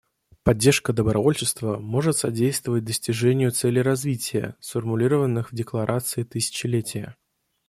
Поддержка добровольчества может содействовать достижению целей развития, сформулированных в Декларации тысячелетия.